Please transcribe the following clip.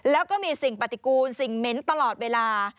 แล้วก็มีสิ่งปฏิกูลสิ่งเหม็นตลอดเวลา